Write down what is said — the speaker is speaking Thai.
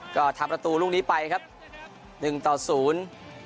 ก็ทำประตูลูกนี้ไปครับหนึ่งต่อศูนย์